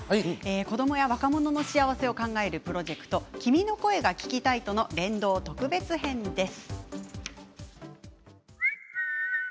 子どもや若者の幸せを考えるプロジェクト「君の声が聴きたい」との連動特別編です。